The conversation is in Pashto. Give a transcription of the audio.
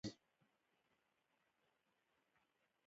باد چلېده.